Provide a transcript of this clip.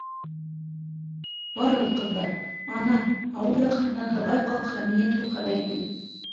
Барығыҙ, ҡыҙҙар, ана, ауыл яҡ һыртынан һыбай ҡалҡһа, миңә килеп хәбәр итегеҙ.